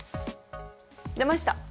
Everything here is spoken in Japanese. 出ました。